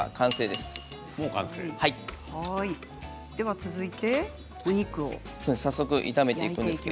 では続いてお肉ですか。